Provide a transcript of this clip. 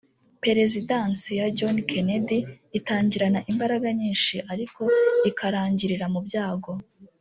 perezidansi ya john kennedy itangirana imbaraga nyinshi, ariko ikarangirira mu byago